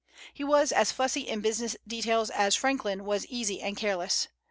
He was as fussy in business details as Franklin was easy and careless.